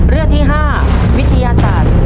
เรื่องที่๕วิทยาศาสตร์